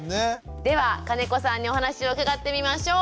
では金子さんにお話を伺ってみましょう。